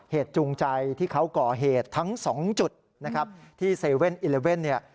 จูงใจที่เขาก่อเหตุทั้งสองจุดนะครับที่๗๑๑เนี่ย